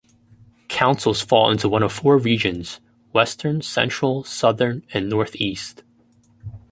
Councils fall into one of four regions: Western, Central, Southern, and Northeast.